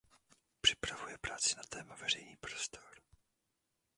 Připravuje práci na téma "veřejný prostor".